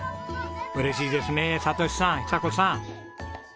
嬉しいですね哲さん久子さん。